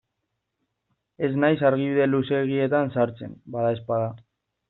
Ez naiz argibide luzeegietan sartzen, badaezpada.